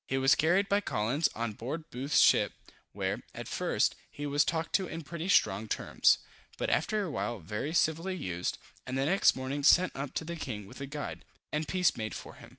He was carried by Collins on board Booth's ship, where, at first, he was talked to in pretty strong terms; but after a while very civilly used, and the next morning sent up to the king with a guide, and peace made for him.